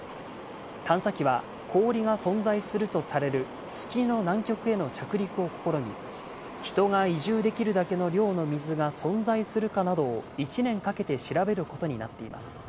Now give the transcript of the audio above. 探査機は氷が存在するとされる月の南極への着陸を試み、人が移住できるだけの量の水が存在するかなどを１年かけて調べることになっています。